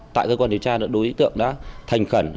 tại cơ quan điều tra đối tượng đã thành khẩn